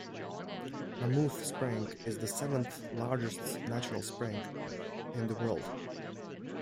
Mammoth Spring is the seventh-largest natural spring in the world.